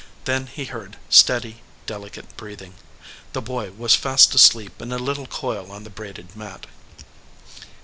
Then he heard steady, delicate breathing. The boy was fast asleep in a little coil on the braided mat.